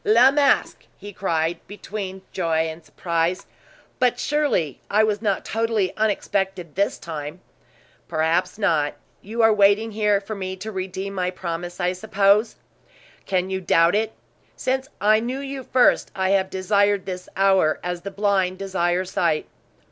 "La Masque!" he cried, between joy and surprise. "But surely, I was not totally unexpected this time?" "Perhaps not. You are waiting here for me to redeem my promise, I suppose?" "Can you doubt it? Since I knew you first, I have desired this hour as the blind desire sight."